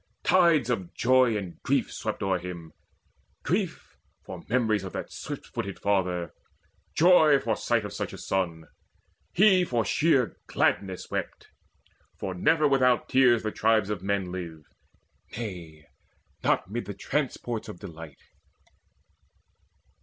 Tides of joy And grief swept o'er him grief, for memories Of that swift footed father joy, for sight Of such a son. He for sheer gladness wept; For never without tears the tribes of men Live nay, not mid the transports of delight.